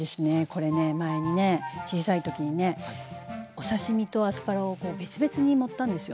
これね前にね小さい時にねお刺身とアスパラを別々に盛ったんですよ。